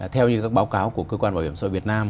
theo như các báo cáo của cơ quan bảo hiểm xã hội việt nam